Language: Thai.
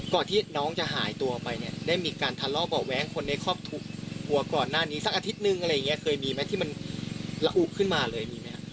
ที่น้องจะหายตัวไปเนี่ยได้มีการทะเลาะเบาะแว้งคนในครอบครัวก่อนหน้านี้สักอาทิตย์นึงอะไรอย่างนี้เคยมีไหมที่มันระอุขึ้นมาเลยมีไหมครับ